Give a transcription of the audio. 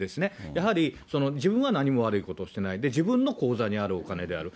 やはりその自分は何も悪いことしてない、自分の口座にあるお金である。